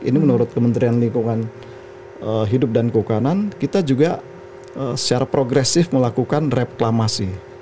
ini menurut kementerian lingkungan hidup dan keuanganan kita juga secara progresif melakukan reklamasi